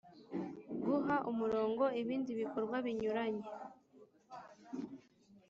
guha umurongo ibindi bikorwa binyuranye.